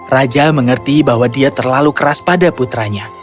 raja mengerti bahwa dia terlalu keras pada putranya